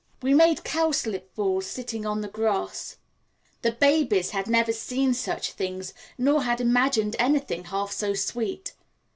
We made cowslip balls sitting on the grass. The babies had never seen such things nor had imagined anything half so sweet.